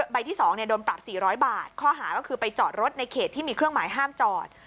ใบที่๒โดนปรับ๔๐๐บาทข้อหาก็คือไปจอดรถในเขตที่มีเครื่องหมายห้ามจอด